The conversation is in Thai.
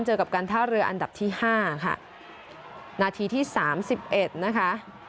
เจอกับการท่าเรืออันดับที่ห้าค่ะนาทีที่สามสิบเอ็ดนะคะ